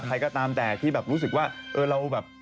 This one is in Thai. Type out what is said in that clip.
ใครก็ตามแต่ที่แบบรู้สึกว่า